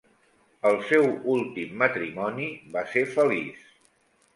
El seu últim matrimoni va ser feliç.